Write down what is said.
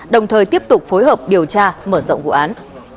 đồng thời tiếp tục phối hợp điều tra mở rộng vụ án